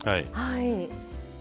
はい。